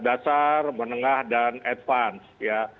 dasar menengah dan advance